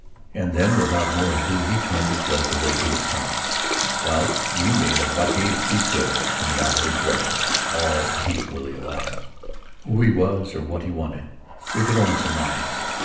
And then without more ado, he turned and fled the way we had come whilst we made what haste we could in the opposite direction, all equally alarmed. Who he was or what he wanted, we could only surmise.